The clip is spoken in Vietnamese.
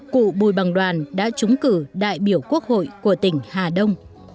cụ bùi bằng đoàn đã trúng cử đại biểu quốc hội của tỉnh hà đông